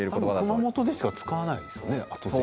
熊本でしか使わないですよね。